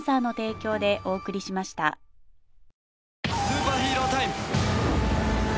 スーパーヒーロータイム。